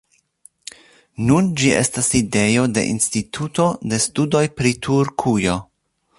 Nun ĝi estas sidejo de instituto de studoj pri Turkujo.